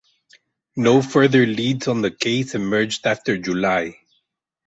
No further leads on the case emerged after July.